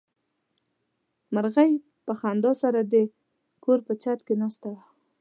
مرغۍ په خندا سره د کور په چت کې ناسته وه.